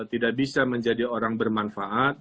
tidak bisa menjadi orang bermanfaat